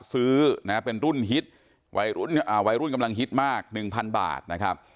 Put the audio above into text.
ซื้อนะเป็นรุ่นฮิตวัยรุ่นกำลังฮิตมาก๑๐๐บาทนะครับ